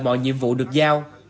mọi nhiệm vụ được giao